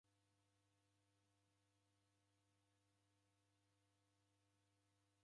W'abonyikazi w'aredelwa vindo